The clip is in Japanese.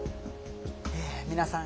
皆さん